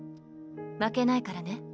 負けないからね。